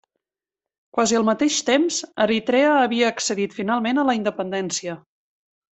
Quasi al mateix temps Eritrea havia accedit finalment a la independència.